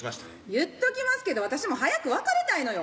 言っときますけど私も早く別れたいのよ。